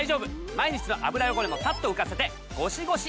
毎日の油汚れもサッと浮かせてゴシゴシいらず。